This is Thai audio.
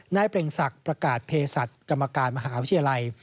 เปล่งศักดิ์ประกาศเพศัตริย์กรรมการมหาวิทยาลัย